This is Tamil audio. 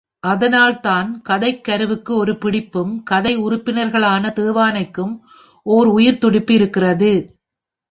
அதனால் தான், கதைக் கருவுக்கு ஓர் பிடிப்பும், கதை உறுப்பினளான தேவானைக்கு ஓர் உயிர்த்துடிப்பும் இருக்கிறது.